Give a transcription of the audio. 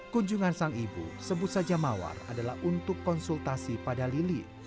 kunjungan sang ibu sebut saja mawar adalah untuk konsultasi pada lili